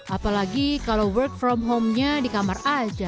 apalagi kalau work from home nya di kamar aja